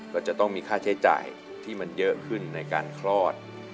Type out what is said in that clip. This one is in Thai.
ก็จะต้องมีค่าใช้จ่ายที่มันเยอะขึ้นในการคลอด